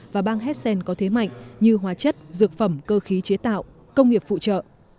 và bang hessen có thế mạnh như hóa chất dược phẩm cơ khí chế tạo công nghiệp phụ trợ